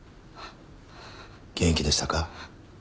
元気でしたか？